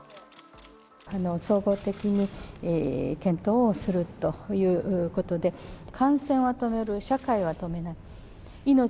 総合的に検討をするということで、感染は止める、社会は止めない。